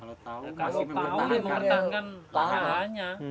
kalau tahu masih mempertahankan lahannya